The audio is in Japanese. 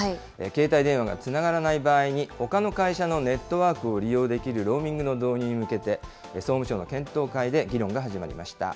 携帯電話がつながらない場合に、ほかの会社のネットワークを利用できるローミングの導入に向けて、総務省の検討会で議論が始まりました。